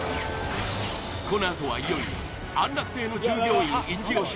このあとはいよいよ安楽亭の従業員イチ押し